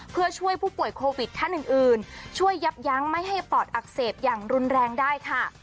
เพื่อช่วยผู้ป่วยโควิดท่านอื่นช่วยยับยั้งไม่ให้ปอดอักเสบอย่างรุนแรงได้ค่ะ